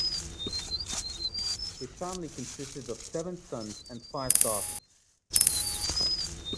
His family consisted of seven sons and five daughters.